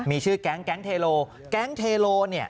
มีชื่อแก๊งแก๊งเทโลแก๊งเทโลเนี่ย